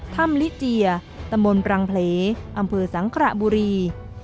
ถ้ำลิเจียตำบลปรังเพลอำเภอสังขระบุรี